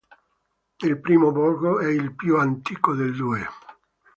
Il primo borgo è il più antico dei due.